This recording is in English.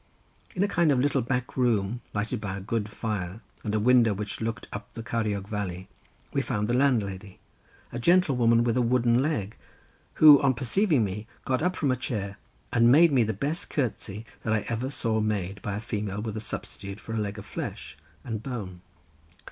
In a kind of little back room, lighted by a good fire and a window, which looked up the Ceiriog valley, we found the landlady, a gentlewoman with a wooden leg, who on perceiving me got up from a chair, and made me the best curtsey that I ever saw made by a female with such a substitute for a leg of flesh and bone.